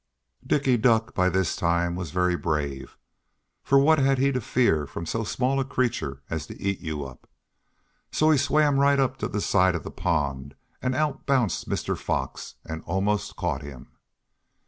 Dicky Duck by this time was very brave, for what had he to fear from so small a creature as the Eatyoup. So he swam right up to the side of the pond and out bounced Mr. Fox and almost caught him.